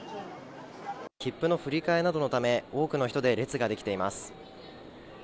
切符の振り替えなどのため、多くの人で列が出来ています。